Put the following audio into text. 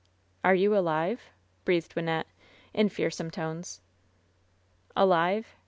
"Are you — alive f^ breathed Wynnette, in fearsome tcmes. "Alive